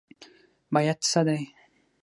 بیعت څه دی؟